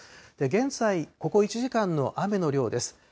現在、ここ１時間の雨の量です。